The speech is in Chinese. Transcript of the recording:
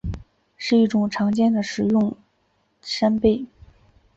是一种常见的食用贻贝。